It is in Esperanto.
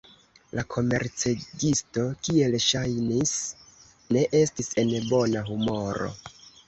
La komercegisto, kiel ŝajnis, ne estis en bona humoro.